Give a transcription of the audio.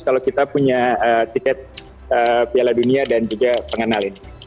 kalau kita punya tiket piala dunia dan juga pengenalin